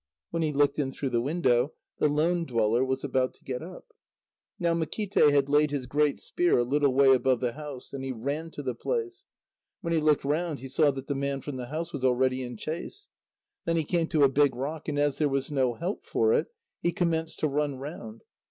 When he looked in through the window, the lone dweller was about to get up. Now Makíte had laid his great spear a little way above the house, and he ran to the place. When he looked round, he saw that the man from the house was already in chase. Then he came to a big rock, and as there was no help for it, he commenced to run round.